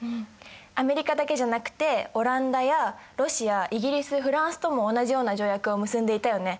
アメリカだけじゃなくてオランダやロシアイギリスフランスとも同じような条約を結んでいたよね。